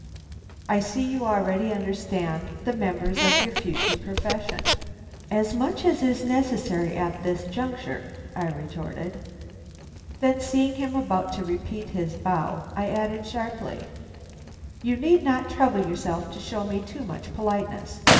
"I see you already understand the members of your future profession." "As much as is necessary at this juncture," I retorted. Then seeing him about to repeat his bow, I added sharply: "You need not trouble yourself to show me too much politeness.